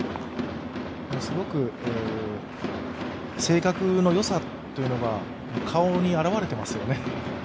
すごく性格のよさというのが顔に表れていますよね。